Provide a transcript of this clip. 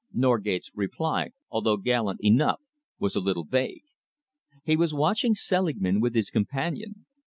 Norgate's reply, although gallant enough, was a little vague. He was watching Selingman with his companion.